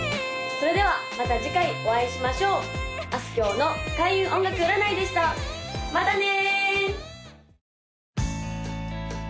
それではまた次回お会いしましょうあすきょうの開運音楽占いでしたまたね！